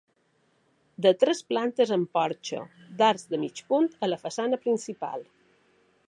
De tres plantes amb porxo d'arcs de mig punt a la façana principal.